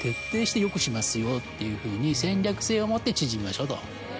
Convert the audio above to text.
っていうふうに戦略性を持って縮みましょうと。